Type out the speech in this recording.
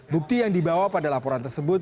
bukti yang dibawa pada laporan tersebut